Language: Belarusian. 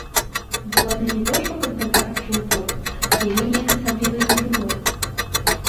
Буланы не то што каб гэта адчуў боль, яе неяк асабліва і не было.